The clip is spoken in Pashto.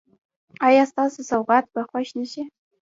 ایا ستاسو سوغات به خوښ نه شي؟